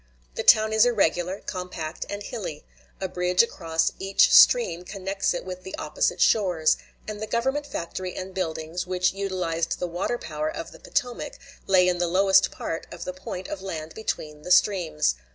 The town is irregular, compact, and hilly; a bridge across each stream connects it with the opposite shores, and the Government factory and buildings, which utilized the water power of the Potomac, lay in the lowest part of the point of land between the streams.